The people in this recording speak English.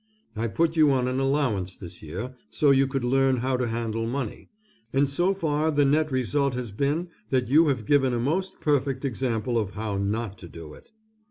I put you on an allowance this year, so you could learn how to handle money, and so far the net result has been that you have given a most perfect example of how not to do it.